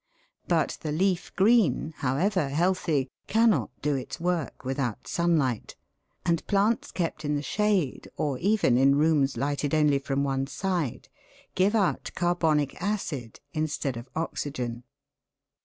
But the leaf green, however healthy, cannot do its work without sunlight, and plants kept in the shade, or even in rooms lighted only from one side, give out carbonic acid instead of oxygen.